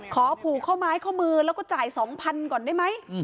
ขอผูเข้ามาให้เขามือแล้วก็จ่าย๒๐๐๐ก่อนได้ไหม